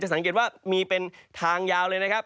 สังเกตว่ามีเป็นทางยาวเลยนะครับ